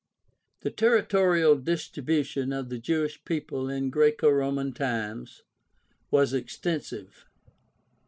— The territorial distribution of the Jewish people in Graeco Roman times was extensive.